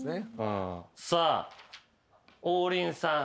さあ王林さん。